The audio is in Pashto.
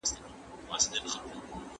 هغه څوک چي غيبت کوي، باور له لاسه ورکوي.